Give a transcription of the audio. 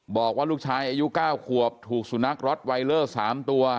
บอกว่าลูกชายอายุ๙ขวบถูกสุนัขร็อตไวเลอร์๓ตัว